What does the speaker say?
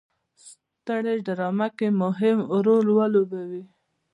سترې ډرامه کې مهم رول ولوبوي.